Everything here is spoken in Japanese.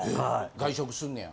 外食すんねや。